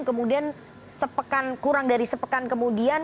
kemudian sepekan kurang dari sepekan kemudian